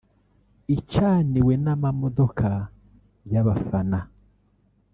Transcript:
icaniwe n'amamodoka y'abafana